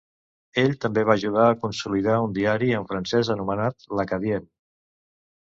Ell també va ajudar a consolidar un diari en francès anomenat "l'Acadien".